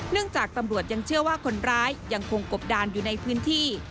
จากตำรวจยังเชื่อว่าคนร้ายยังคงกบดานอยู่ในพื้นที่